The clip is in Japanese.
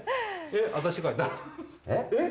えっ？